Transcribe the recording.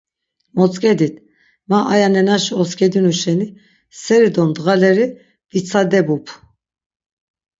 Motzk̆edit, ma aya nenaşi oskedinu şeni seri do ndğaleri vitsadebup.